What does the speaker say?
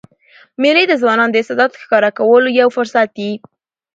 مېلې د ځوانانو د استعدادو ښکاره کولو یو فرصت يي.